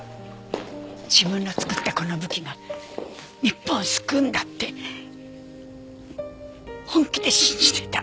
自分の作ったこの武器が日本を救うんだって本気で信じてた。